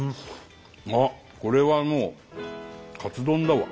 あっこれはもうカツ丼だわ。